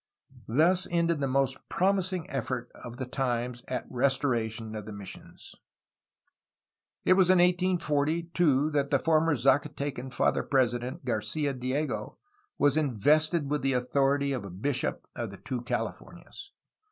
Thus ended the most promising effort of the times at restoration of the missions. It was in 1840, too, that the former Zacatecan Father President, Garcfa Diego, was invested with the authority of bishop of the two Californias.